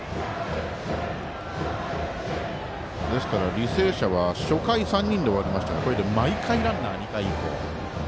履正社は初回３人で終わりましたがこれで毎回ランナー２回以降。